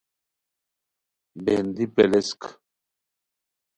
بیندی پیلیسک